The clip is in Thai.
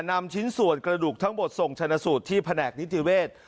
นำชิ้นส่วนกระดูกทั้งหมดส่งชนะสูตรที่แผนกนิติเวศ